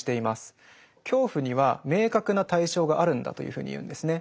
「恐怖」には明確な対象があるんだというふうに言うんですね。